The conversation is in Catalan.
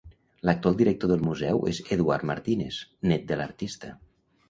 L'actual director del museu és Eduard Martínez, nét de l'artista.